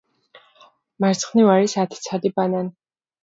მარცხნივ არის ათი ცალი ბანანი.